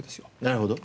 なるほど！